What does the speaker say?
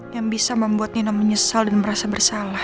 yang bisa membuat nina menyesal dan merasa bersalah